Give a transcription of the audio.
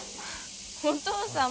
お父さん。